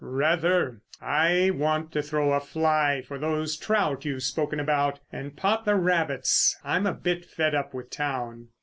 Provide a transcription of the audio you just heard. "Rather! I want to throw a fly for those trout you've spoken about, and pot the rabbits. I'm a bit fed up with town.